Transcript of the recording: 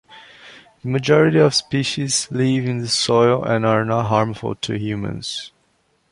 The majority of species live in the soil and are not harmful to humans.